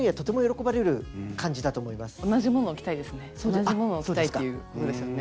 同じ物を着たいっていうことですよね。